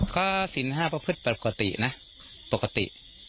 ก็สินห้าประพฤติปกตินะปกติ